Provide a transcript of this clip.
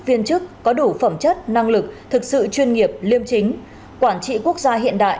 viên chức có đủ phẩm chất năng lực thực sự chuyên nghiệp liêm chính quản trị quốc gia hiện đại